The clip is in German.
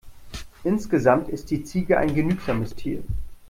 Insgesamt ist die Ziege ein genügsames Tier.